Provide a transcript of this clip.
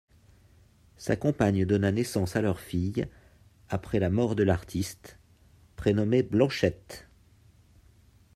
Sa compagne donna naissance à leur fille, après la mort de l'artiste, prénommée Blanchette.